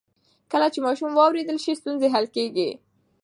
کله چې ماشوم واورېدل شي، ستونزې حل کېږي.